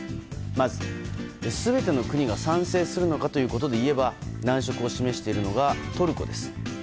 まず全ての国が賛成するのかということで言えば難色を示しているのがトルコです。